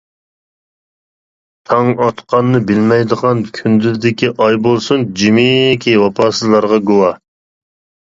تاڭ ئاتقاننى بىلمەيدىغان كۈندۈزدىكى ئاي بولسۇن جىمىكى ۋاپاسىزلارغا گۇۋاھ!